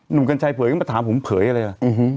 หนุ่มกัญชัยเผยเข้ามาถามผมเผยอะไรอ่ะ